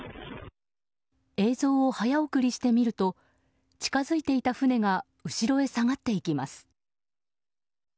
映像を早送りして見てみると近づいていた船が後ろへ下がっていきます。